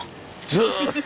ずっと。